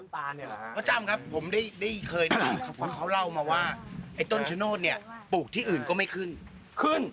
พ่อจ้ำครับผมเคยฟังเขาเล่ามาว่าไอ้ต้นคำชโนธปลูกที่อื่นก็ไม่ขึ้น